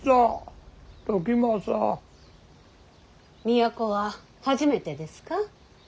都は初めてですか。